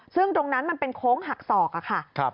ซึ่งตรงนั้นมันเป็นโค้งหักศอกค่ะ